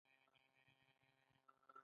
ټافت نور مهم اصلاحات هم عملي کړل.